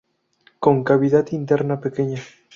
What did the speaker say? Con cavidad interna pequeña.